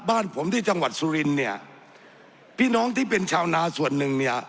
บ้านผมที่จังหวัดสุรินเนี่ยพี่น้องที่เป็นชาวนาส่วนหนึ่งเนี่ย